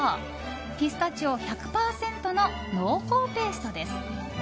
ピスタチオ１００％の濃厚ペーストです。